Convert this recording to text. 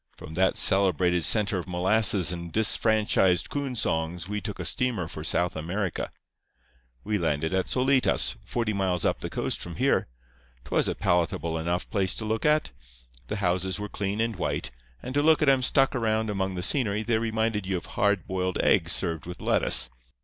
From that celebrated centre of molasses and disfranchised coon songs we took a steamer for South America. "We landed at Solitas, forty miles up the coast from here. 'Twas a palatable enough place to look at. The houses were clean and white; and to look at 'em stuck around among the scenery they reminded you of hard boiled eggs served with lettuce.